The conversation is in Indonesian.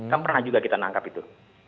kita pernah juga kita tangkap itu